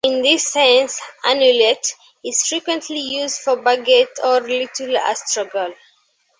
In this sense, "annulet" is frequently used for baguette or little astragal.